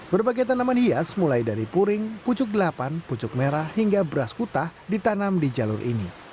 berbagai tanaman hias mulai dari puring pucuk delapan pucuk merah hingga beras kutah ditanam di jalur ini